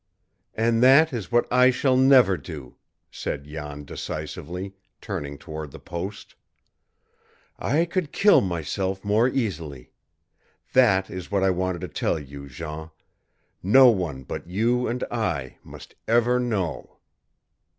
"And that is what I shall never do," said Jan decisively, turning toward the post. "I could kill myself more easily. That is what I wanted to tell you, Jean. No one but you and I must ever know!"